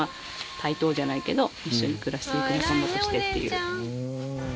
対等じゃないけど一緒に暮らしていく仲間としてっていう。